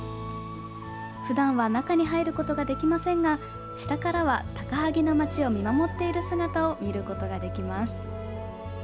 普段は中に入ることができませんが下からは高萩の街を見守っている姿を見ることができます。